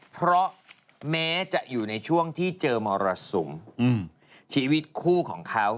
เพราะแม้จะอยู่ในช่วงที่เจอมรสุมชีวิตคู่ของเขา